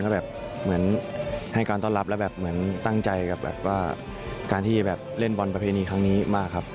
ก็แบบเหมือนให้การต้อนรับแล้วแบบเหมือนตั้งใจกับแบบว่าการที่แบบเล่นบอลประเพณีครั้งนี้มากครับ